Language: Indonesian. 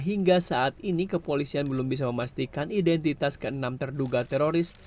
hingga saat ini kepolisian belum bisa memastikan identitas ke enam terduga teroris